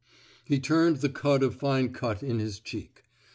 " He turned the cud of fine cut in his cheek.